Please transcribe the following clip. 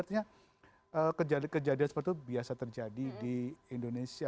artinya kejadian seperti itu biasa terjadi di indonesia